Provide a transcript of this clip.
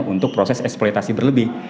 untuk proses eksploitasi berlebih